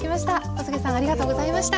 小菅さんありがとうございました。